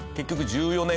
１４年。